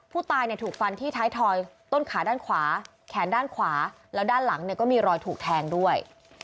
ผู้ตายถูกฟันที่ไถถอยต้นขาด้านขวาแขนด้านขวาแล้วด้านหลังก็มีรอยถูกแทงด้วย